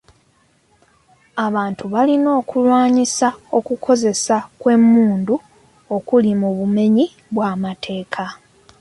Abantu balina okulwanyisa okukozesa kw'emmundu okuli mu bumenyi bw'amateeka.